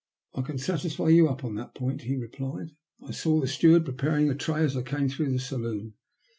" I can satisfy you up on that point," he replied. " I saw the steward preparing the tray as I came through the saloon.